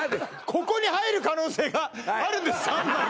ここに入る可能性があるんです